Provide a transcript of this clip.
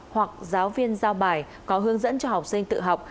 hoặc giáo viên giao bài có hướng dẫn cho học sinh tự học